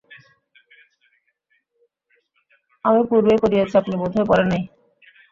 আমি পূর্বেই পড়িয়াছি, আপনি বোধ হয় পড়েন নাই।